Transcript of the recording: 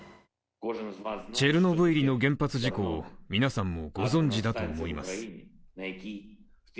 チェルノブイリの原発事故を皆さんもご存じだと思います。